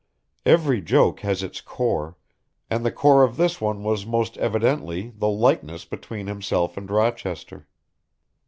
Every joke has its core, and the core of this one was most evidently the likeness between himself and Rochester.